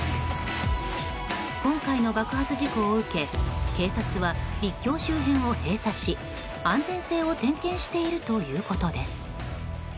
今回の爆発事故を受け警察は陸橋周辺を閉鎖し安全性を点検しているということです。